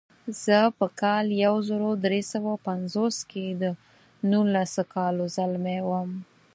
زه په کال یو زر درې سوه پنځوس کې د نولسو کالو ځلمی وم.